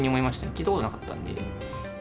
聞いたことなかったんで。